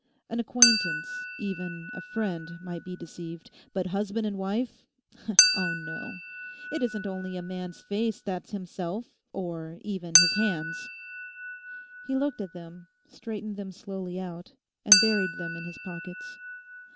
An acquaintance, even a friend might be deceived; but husband and wife—oh no! It isn't only a man's face that's himself—or even his hands.' He looked at them, straightened them slowly out, and buried them in his pockets.